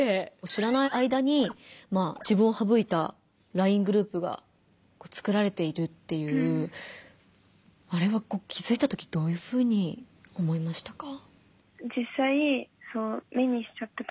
知らない間に自分を省いたＬＩＮＥグループが作られているっていうあれは気づいたときどういうふうに思いましたか？